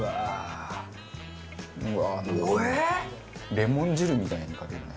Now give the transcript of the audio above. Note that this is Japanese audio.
レモン汁みたいにかけるね。